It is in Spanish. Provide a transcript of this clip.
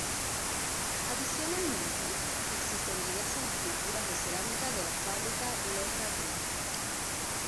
Adicionalmente, existen diversas esculturas de cerámica de la fábrica Lota Green.